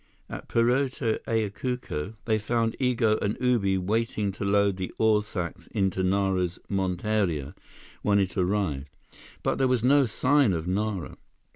At Puerto Ayacucho, they found Igo and Ubi waiting to load the ore sacks into Nara's monteria, when it arrived. But there was no sign of Nara.